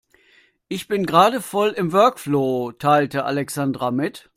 Ich bin gerade voll im Workflow, teilte Alexandra mit.